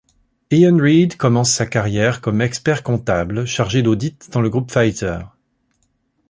Ian Read commence sa carrière comme expert comptable, chargé d’audit dans le groupe Pfizer.